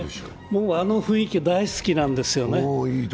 僕、あの雰囲気、大好きなんですよね。